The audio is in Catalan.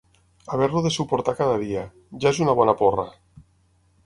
Haver-lo de suportar cada dia: ja és una bona porra!